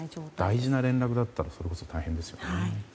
大事な連絡だったら大変ですよね。